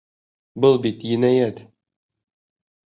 Был бит енәйәт!